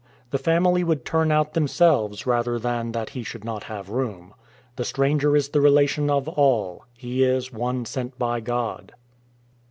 The family would turn out themselves rather than that he should not have room. The stranger is the relation of all. He is "one sent by God."